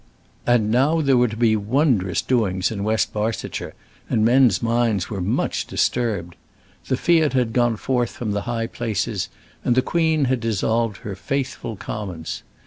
And now there were going to be wondrous doings in West Barsetshire, and men's minds were much disturbed. The fiat had gone forth from the high places, and the Queen had dissolved her faithful Commons.